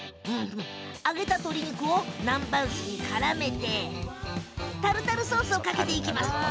揚げた鶏肉を南蛮酢にからめてタルタルソースをかけていきます。